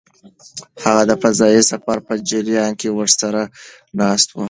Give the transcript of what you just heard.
هغه د فضايي سفر په جریان کې ورسره ناست و.